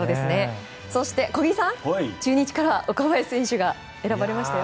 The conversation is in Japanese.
そして小木さん、中日から岡林選手が選ばれましたよ。